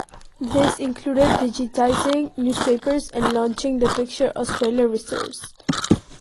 This included digitising newspapers and launching the Picture Australia resource.